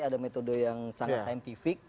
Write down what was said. ada metode yang sangat saintifik